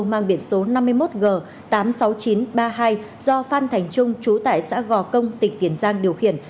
mang biển số năm mươi một g tám mươi sáu nghìn chín trăm ba mươi hai do phan thành trung trú tại xã gò công tỉnh tiền giang điều khiển